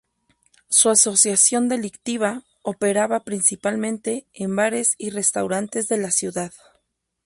Su asociación delictiva operaba principalmente en bares y restaurantes de la Cd.